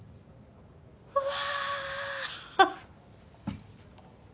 うわ！